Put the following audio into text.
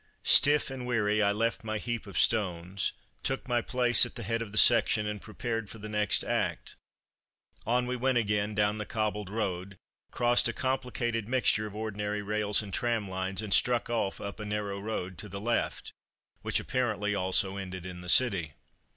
Stiff and weary, I left my heap of stones, took my place at the head of the section, and prepared for the next act. On we went again down the cobbled road, crossed a complicated mixture of ordinary rails and tram lines, and struck off up a narrow road to the left, which apparently also ended in the city.